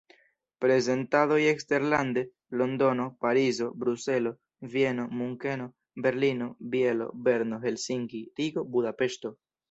Prezentadoj eksterlande: Londono, Parizo, Bruselo, Vieno, Munkeno, Berlino, Bielo, Berno, Helsinki, Rigo, Budapeŝto.